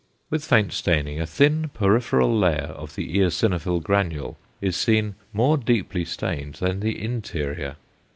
With faint staining, a thin peripheral layer of the eosinophil granule is seen more deeply stained than the interior.